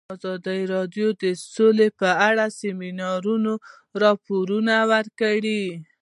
ازادي راډیو د سوله په اړه د سیمینارونو راپورونه ورکړي.